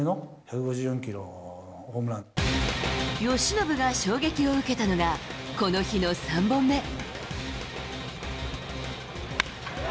由伸が衝撃を受けたのがこの日の３本目。